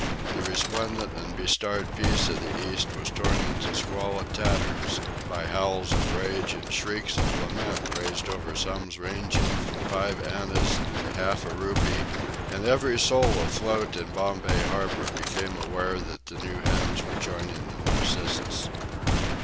The resplendent and bestarred peace of the East was torn into squalid tatters by howls of rage and shrieks of lament raised over sums ranging from five annas to half a rupee; and every soul afloat in Bombay Harbour became aware that the new hands were joining the Narcissus.